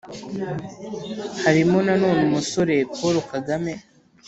harimo nanone umusore paul kagame